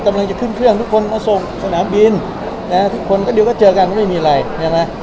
กำลังจะขึ้นเครื่องทุกคนมาส่งสนามบินนะทุกคนก็เดี๋ยวก็เจอกันไม่มีอะไรใช่ไหม